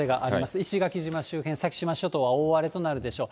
石垣島周辺、先島諸島は大荒れとなるでしょう。